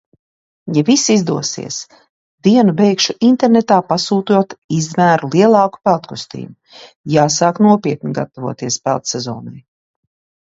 Ja viss izdosies, dienu beigšu internetā pasūtot izmēru lielāku peldkostīmu. Jāsāk nopietni gatavoties peldsezonai.